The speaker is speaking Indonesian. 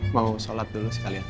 mau sholat dulu sekalian